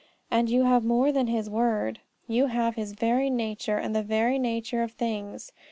And you have more than His word: you have His very nature, and the very nature of things.